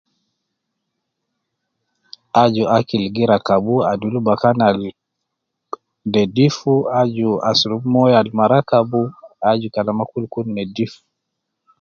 Aju akil gi rakab, adul bakan al nedifu, aju asurub moyo ab ma rakab, aju kalama kul kun nedif